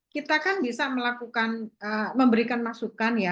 kita kan bisa melakukan memberikan masukan ya